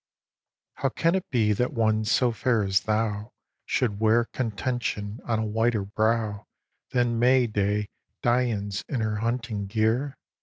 xvi. How can it be that one so fair as thou Should wear contention on a whiter brow Than May day Dian's in her hunting gear?